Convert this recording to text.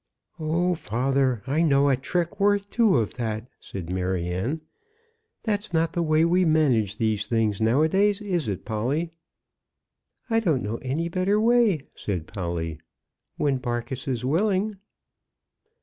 "Oh, father, I know a trick worth two of that!" said Maryanne. "That's not the way we manage these things now a days, is it, Polly?" "I don't know any better way," said Polly, "when Barkis is willing."